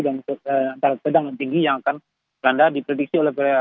antara sedang dan tinggi yang akan terlanda diprediksi oleh bpnkg